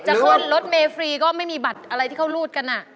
ขึ้นรถเมฟรีก็ไม่มีบัตรอะไรที่เขารูดกัน